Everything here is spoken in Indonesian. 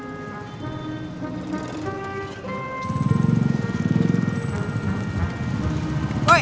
udah di rumah